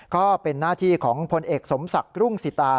ก็เป็นหน้าที่ของพลเอกสมศักดิ์รุ่งสิตา